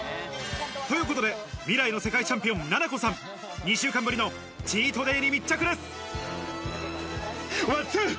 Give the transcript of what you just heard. ということ未来のチャンピオン・なな子さん、２週間ぶりのチートデイに密着です。